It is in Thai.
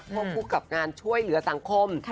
คู่กับงานช่วยเหลือสังคม